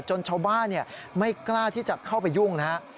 ชาวบ้านไม่กล้าที่จะเข้าไปยุ่งนะครับ